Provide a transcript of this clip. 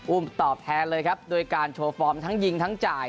ตอบแทนเลยครับด้วยการโชว์ฟอร์มทั้งยิงทั้งจ่าย